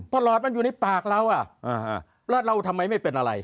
หลอดมันอยู่ในปากเราแล้วเราทำไมไม่เป็นอะไร